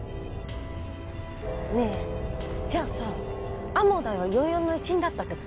ねえじゃあさ天羽大は４４の一員だったって事？